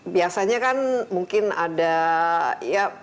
biasanya kan mungkin ada